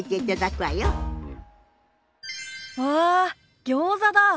わあギョーザだ。